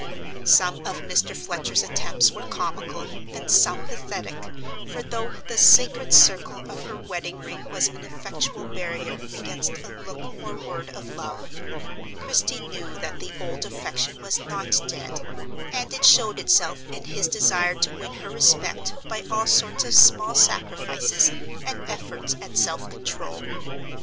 Some of Mr. Fletcher's attempts were comical, and some pathetic, for though the sacred circle of her wedding ring was an effectual barrier against a look or word of love, Christie knew that the old affection was not dead, and it showed itself in his desire to win her respect by all sorts of small sacrifices and efforts at self control.